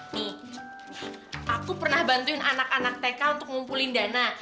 loh aku pernah bantuin anak anak tk untuk ngumpulin dana